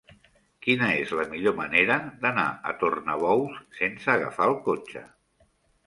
Quina és la millor manera d'anar a Tornabous sense agafar el cotxe?